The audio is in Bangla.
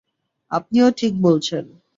আপনিও ঠিক বলছেন।